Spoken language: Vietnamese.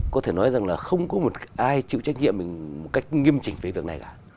có thể nói rằng là không có ai chịu trách nhiệm một cách nghiêm trình về việc này cả